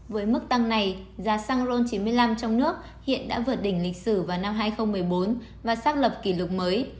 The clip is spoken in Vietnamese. với mức tăng này giá xăng ron chín mươi năm trong nước hiện đã vượt đỉnh lịch sử vào năm hai nghìn một mươi bốn và xác lập kỷ lục mới